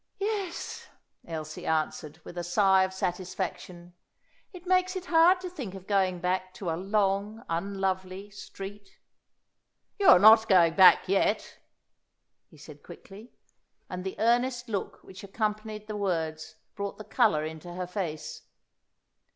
"Yes," Elsie answered, with a sigh of satisfaction; "it makes it hard to think of going back to a 'long, unlovely street.'" "You are not going back yet," he said quickly. And the earnest look which accompanied the words brought the colour into her face.